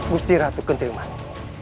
gusti ratu kendermani